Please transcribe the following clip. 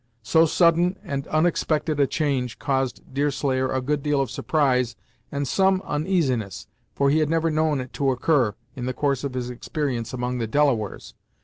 So sudden and unexpected a change caused Deerslayer a good deal of surprise and some uneasiness, for he had never known it to occur, in the course of his experience among the Delawares.